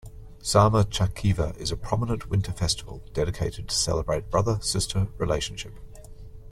Sama Chakeva is a prominent winter festival dedicated to celebrate brother sister relationship.